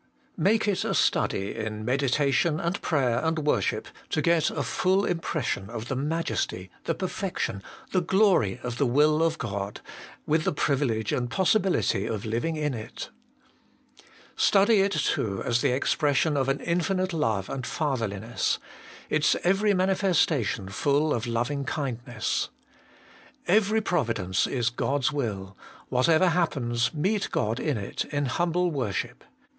J. Make It a study, In meditation and prayer and worship, to get a full Impression of the Majesty, the Perfection, the Glory of the Will of God, with the privilege and possibility of living in it. 2. Study it, too, as the expression of an Infinite Love and Fatherliness ; its every manifestation full of louing hindness. Every providence is God's will ; whatever happens, meet God in it in humble worship.